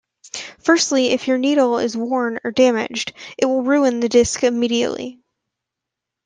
Firstly, if your needle is worn or damaged, it will ruin the disc immediately.